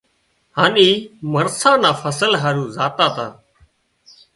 هانَ اي مرسان نا فصل هارو زاتا تا